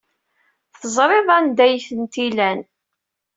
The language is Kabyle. Teẓriḍ anda ay ten-ilan.